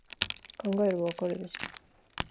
考えればわかるでしょ